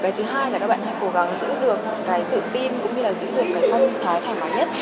cái thứ hai là các bạn hãy cố gắng giữ được tự tin cũng như giữ được phân thái thoải mái nhất